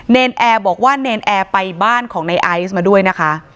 นแอร์บอกว่าเนรนแอร์ไปบ้านของในไอซ์มาด้วยนะคะ